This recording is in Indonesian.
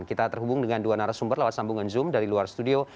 kita terhubung dengan dua narasumber lewat sambungan zoom dari luar studio